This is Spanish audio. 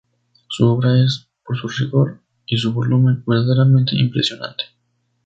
Su obra es, por su rigor y su volumen, verdaderamente impresionante.